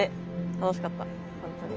楽しかった本当に。